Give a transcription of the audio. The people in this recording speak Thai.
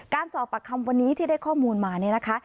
การสอบปากคำวันนี้ที่ได้ข้อมูลมาเนี่ยนะคะ